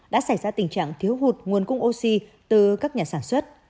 đã xảy ra tình trạng thiếu hụt nguồn cung oxy từ các nhà sản xuất